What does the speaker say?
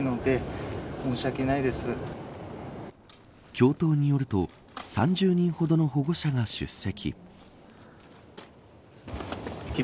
教頭によると３０人ほどの保護者が出席。